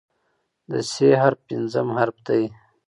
د "ث" حرف پنځم حرف دی.